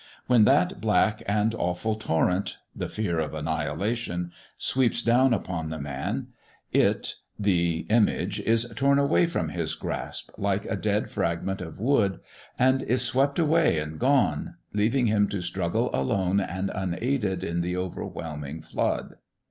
When that black and awful torrent the fear of annihilation sweeps down upon the man, it, the image, is torn away from his grasp like a dead fragment of wood and is swept away and gone, leaving him to struggle alone and unaided in the overwhelming flood.